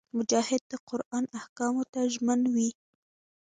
مجاهد د قران احکامو ته ژمن وي.